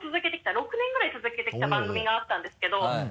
６年ぐらい続けてきた番組があったんですけど。